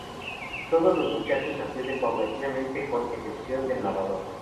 Todos los muchachos acceden paulatinamente, con excepción del narrador.